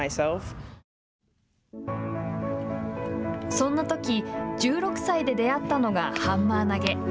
そんなとき、１６歳で出会ったのがハンマー投げ。